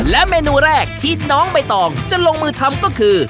และเมนูแรกที่น้องใบตองจะลงมือทำก็คือ